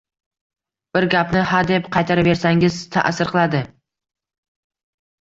Bir gapni hadeb qaytaraversangiz, ta’sir qiladi